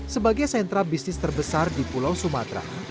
sebagai sentra bisnis terbesar di pulau sumatera